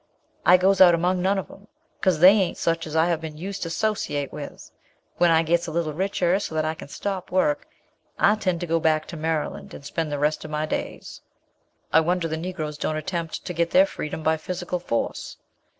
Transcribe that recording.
I goes out among none on 'em, 'cause they ain't such as I have been used to 'sociate with. When I gits a little richer, so that I can stop work, I tend to go back to Maryland, and spend the rest of my days." "I wonder the Negroes don't attempt to get their freedom by physical force."